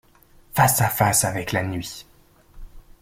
Face à face avec la nuit